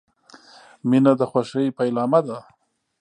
• مینه د خوښۍ پیلامه ده.